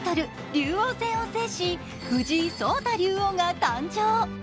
竜王戦を制し藤井聡太竜王が誕生。